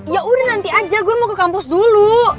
ya udah nanti aja gue mau ke kampus dulu